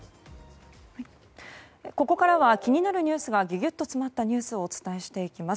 ここからは気になるニュースがギュギュっと詰まったニュースをお伝えしていきます。